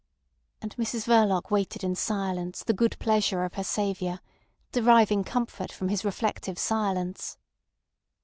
And Mrs Verloc waited in silence the good pleasure of her saviour, deriving comfort from his reflective silence.